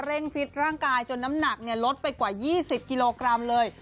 ซิดร่างกายจนน้ำหนักลดไปกว่า๒๐กิโลกรัมเลย